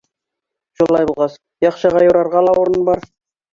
Шулай булғас, яҡшыға юрарға ла урын бар.